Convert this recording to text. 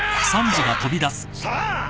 さあ！